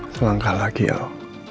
selangkah lagi el